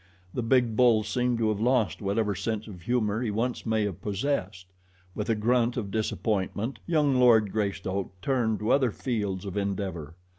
The big bull ape seemed to have lost whatever sense of humor he once may have possessed. With a grunt of disappointment, young Lord Greystoke turned to other fields of endeavor.